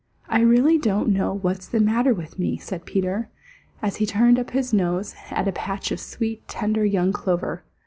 I really don't know what's the matter with me," said Peter, as he turned up his nose at a patch of sweet, tender young clover.